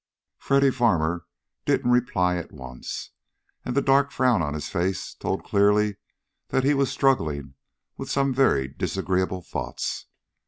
Freddy Farmer didn't reply at once, and the dark frown on his face told clearly that he was struggling with some very disagreeable thoughts.